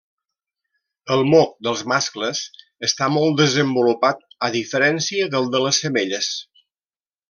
El moc dels mascles està molt desenvolupat a diferència del de les femelles.